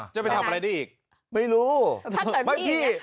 จะไปทำอะไรได้อีกไม่รู้ถ้าแต่พี่ไม่พี่